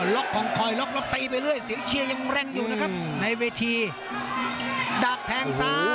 ล็อกคลอยตีไปเรื่อยเสียงเชียร์ยังแรงอยู่นะครับในวันนี้ดักแทงซ้าย